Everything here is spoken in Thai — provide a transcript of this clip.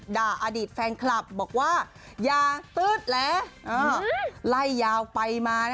ด่าอดีตแฟนคลับบอกว่าอย่าตื๊ดแหละไล่ยาวไปมา